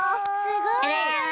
すごい！